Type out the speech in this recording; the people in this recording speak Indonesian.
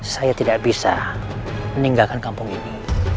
saya tidak bisa meninggalkan kampung ini